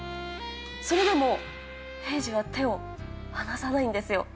それでも平次を手を離さないんですよ。